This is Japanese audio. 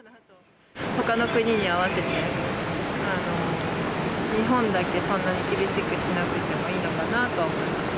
ほかの国に合わせて、日本だけそんなに厳しくしなくてもいいのかなと思います。